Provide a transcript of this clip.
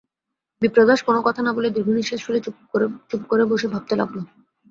বিপ্রদাস কোনো কথা না বলে দীর্ঘনিশ্বাস ফেলে চুপ করে বসে ভাবতে লাগল।